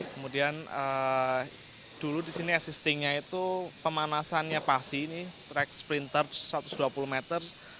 kemudian dulu di sini assistingnya itu pemanasannya pasi ini track sprinter satu ratus dua puluh meter